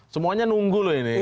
semuanya nunggu loh ini